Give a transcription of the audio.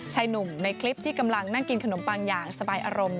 ชายหนุ่มในคลิปที่กำลังนั่งกินขนมปังอย่างสบายอารมณ์